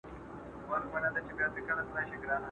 زلزله به یې په کور کي د دښمن سي!.